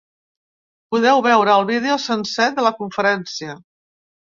Podeu veure el vídeo sencer de la conferència.